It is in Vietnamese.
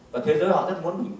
và thế giới họ rất muốn